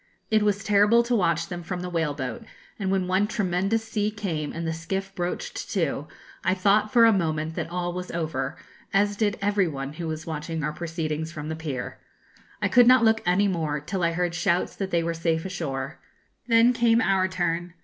It was terrible to watch them from the whale boat, and when one tremendous sea came, and the skiff broached to, I thought for a moment that all was over, as did every one who was watching our proceedings from the pier. I could not look any more, till I heard shouts that they were safe ashore. Then came our turn.